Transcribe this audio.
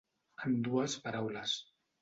En dues paraules.